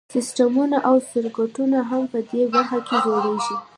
سیسټمونه او سرکټونه هم په دې برخه کې جوړیږي.